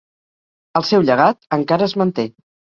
El seu llegat encara es manté.